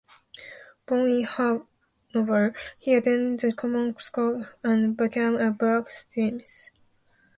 Born in Hanover, he attended the common schools and became a blacksmith.